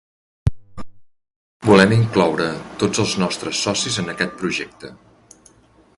Volem incloure tots els nostres socis en aquest projecte.